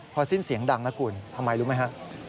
พอสิ้นเสียงดังนะคุณทำไมรู้ไหมฮะ